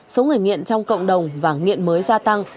số người nghiện trong cộng đồng và nghiện mới gia tăng